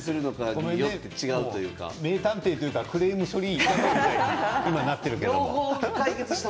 名探偵というよりクレーム処理みたいになっている。